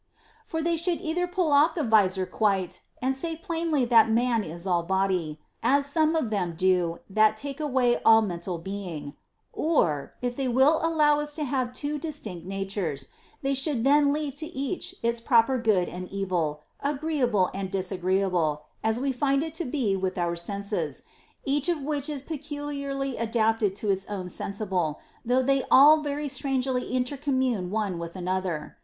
For they should either pull off the vizor quite, and say plainly that man is all body (as some of them do, that take away all mental being), or, if they will allow us to have two distinct natures, they should then leave to each its proper good and evil, agreeable and disagreeable , as we find it to be with our senses, each of which is pe culiarly adapted to its own sensible, though they all very strangely intercommune one with another.